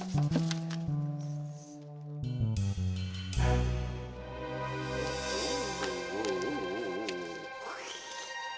takut banget gue hari ini